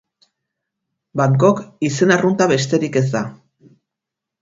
Bangkok izen arrunta besterik ez da.